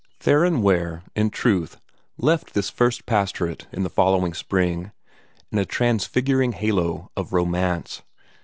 Theron Ware, in truth, left this first pastorate of his the following spring, in a transfiguring halo of romance.